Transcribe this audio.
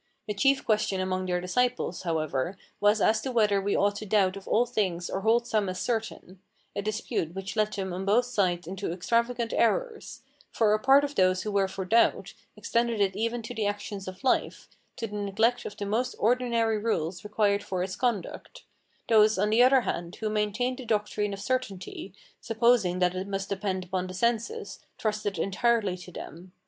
The chief question among their disciples, however, was as to whether we ought to doubt of all things or hold some as certain, a dispute which led them on both sides into extravagant errors; for a part of those who were for doubt, extended it even to the actions of life, to the neglect of the most ordinary rules required for its conduct; those, on the other hand, who maintained the doctrine of certainty, supposing that it must depend upon the senses, trusted entirely to them.